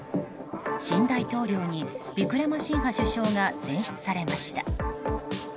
新大統領にウィクラマシンハ首相が選出されました。